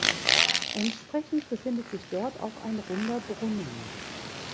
Entsprechend befindet sich dort auch ein runder Brunnen.